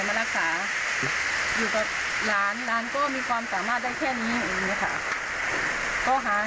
ก็เลยอยากได้บัตรประชาชนมาให้เจอกันจะได้บัตรที่สูงอายุอย่างน้อย